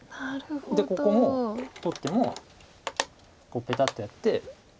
でここも取ってもペタッとやって。